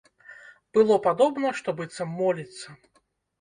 Было падобна, што быццам моліцца.